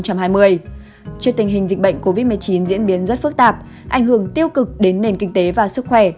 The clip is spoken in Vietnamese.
trước tình hình dịch bệnh covid một mươi chín diễn biến rất phức tạp ảnh hưởng tiêu cực đến nền kinh tế và sức khỏe